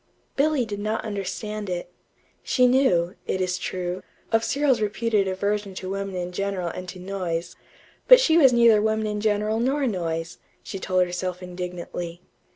Billy did not understand it. She knew, it is true, of Cyril's reputed aversion to women in general and to noise; but she was neither women in general nor noise, she told herself indignantly.